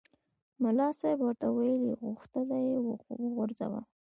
ملا صاحب ورته وویل هوغلته یې وغورځوه.